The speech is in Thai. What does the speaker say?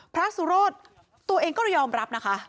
พระสุโรธตัวเองก็เลยยอมรับนะคะ